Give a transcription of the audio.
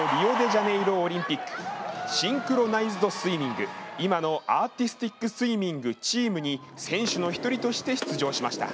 シンクロナイズドスイミング今のアーティスティックスイミングチームに選手の１人として出場しました。